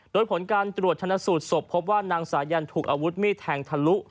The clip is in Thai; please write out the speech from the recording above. โดยผลการตรวจชนะสูตรศพพบว่านางสายันถูกอาวุธมีดแทงทะลุ